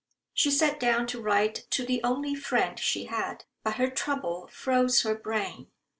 She sat down to write to the only friend she had. But her trouble froze her brain.